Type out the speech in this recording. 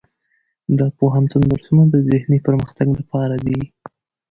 د پوهنتون درسونه د ذهني پرمختګ لپاره دي.